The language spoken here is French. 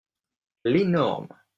L’énorme.